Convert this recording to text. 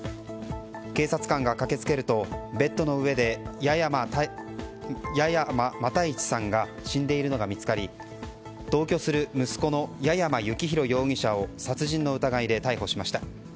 警察官が駆けつけるとベッドの上で屋山又一さんが死んでいるのが見つかり同居する息子の屋山幸弘容疑者を殺人の疑いで逮捕しました。